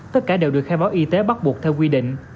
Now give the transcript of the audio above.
tất cả đều được khai báo y tế bắt buộc theo quy định